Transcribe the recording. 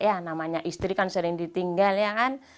ya namanya istri kan sering ditinggal ya kan